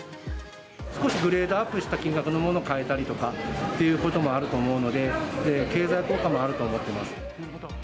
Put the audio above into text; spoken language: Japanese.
少しグレードアップした金額のものを買えたりとかっていうこともあると思うので、経済効果はあると思ってます。